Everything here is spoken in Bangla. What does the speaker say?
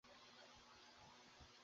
কিন্তু তাই সে হয়ে উঠলো স্পেশাল।